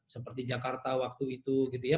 seperti jakarta waktu itu gitu ya